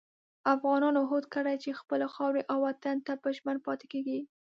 افغانانو هوډ کړی چې خپلې خاورې او وطن ته به ژمن پاتې کېږي.